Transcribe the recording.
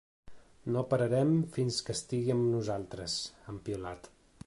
No pararem fins que estigui amb nosaltres, han piulat.